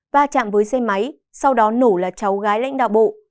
va chạm với xe máy sau đó nổ là cháu gái lãnh đạo bộ